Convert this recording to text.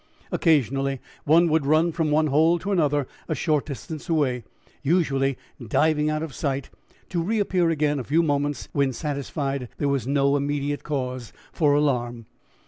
Occasionally one would run from one hole to another a short distance away, usually diving out of sight, to reappear again in a few moments when satisfied that there was no immediate cause for alarm.